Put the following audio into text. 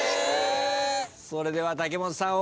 それでは武元さん